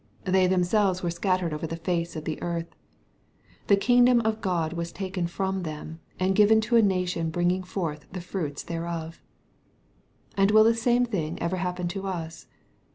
They themselves were scattered oyer the face of the earth. (" The kingdom of God was taken from them, and given to a nation bringing forth the fruits thereof.'') And will the same thing ever happen to us